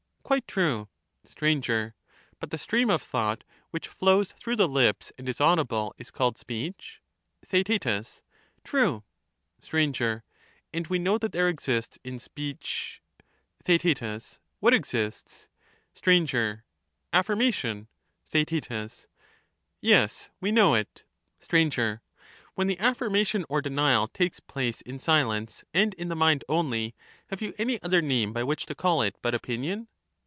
Quite true. Str. But the stream of thought which flows through the lips and is audible is called speech ? Theaet. True. Str. And we know that there exists in speech ... Theaet. What exists ? Str. Affirmation. Theaet. Yes, we know it. Str. When the affirmation or denial takes place in silence and in the mind only, have you any other name by which to call it but opinion